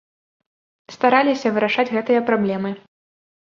Стараліся вырашаць гэтыя праблемы.